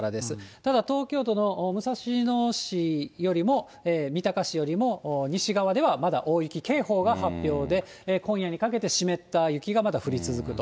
ただ東京都の武蔵野市よりも三鷹市よりも西側では、まだ大雪警報が発表で、今夜にかけて湿った雪がまだ降り続くと。